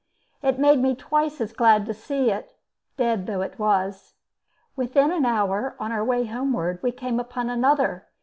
It made me twice as glad to see it, dead though it was. Within an hour, on our way homeward, we came upon another.